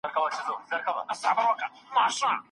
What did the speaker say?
ویره یو لنډمهالی احساس دی.